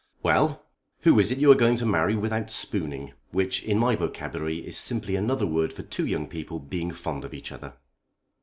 "Well; who is it you are going to marry without spooning, which in my vocabulary is simply another word for two young people being fond of each other?"